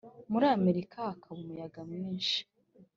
Muri Amerika haba umuyaga mwinshi